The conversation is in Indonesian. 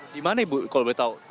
di mana ibu kalau boleh tahu